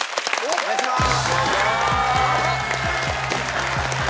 お願いします。